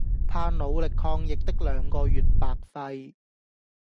怕努力抗疫的兩個月白費